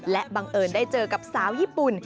และบังเอิญได้เจอกับสาวญี่ปุ่น